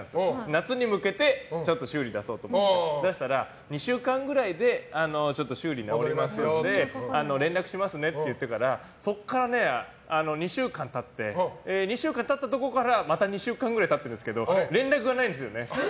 夏に向けて修理出そうと思って出したら、２週間ぐらいで修理、直りますので連絡しますねって言ってからそこから２週間経って２週間経ったところから、また２週間ぐらい経ってるんですけど連絡がないんですよね。